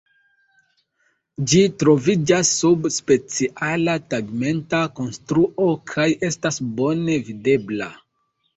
Ĝi troviĝas sub speciala tegmenta konstruo kaj estas bone videbla.